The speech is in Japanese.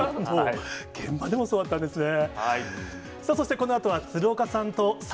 現場でもそうだったんですね。